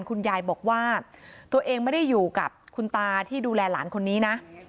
คุณยายบอกว่าตัวเองไม่ได้อยู่กับคุณตาที่ดูแลหลานคนนี้นะ